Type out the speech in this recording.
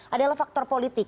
adalah faktor politik